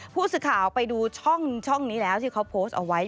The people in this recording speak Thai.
ผู้สื่อข่าวไปดูช่องนี้แล้วที่เขาโพสต์เอาไว้